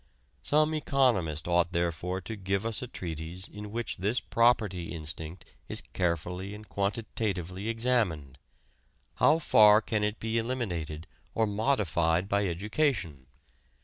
Some economist ought therefore to give us a treatise in which this property instinct is carefully and quantitatively examined.... How far can it be eliminated or modified by education?